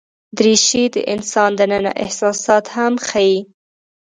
دریشي د انسان دننه احساسات هم ښيي.